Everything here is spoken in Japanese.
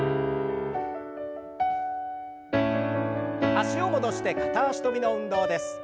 脚を戻して片脚跳びの運動です。